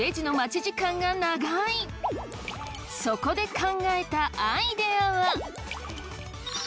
そこで考えたアイデアは。